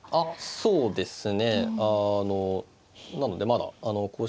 そうなんですね。